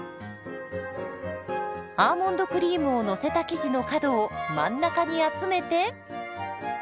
アーモンドクリームをのせた生地の角を真ん中に集めて。